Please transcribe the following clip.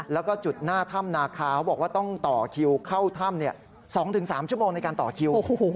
แล้วก็จุดหน้าถ้ำนาคาเขาบอกว่าต้องต่อคิวเข้าถ้ำ๒๓ชั่วโมงในการต่อคิว